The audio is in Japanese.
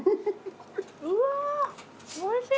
うわーおいしい！